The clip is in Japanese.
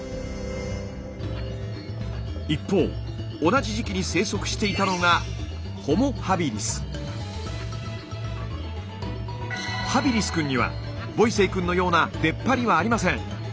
一方同じ時期に生息していたのがハビリスくんにはボイセイくんのような出っ張りはありません。